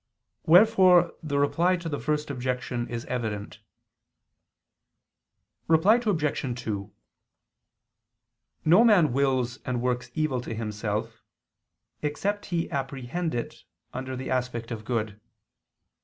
Wherefore the reply to the First Objection is evident. Reply Obj. 2: No man wills and works evil to himself, except he apprehend it under the aspect of good.